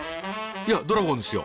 いやドラゴンですよ。